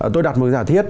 tôi đặt một giả thiết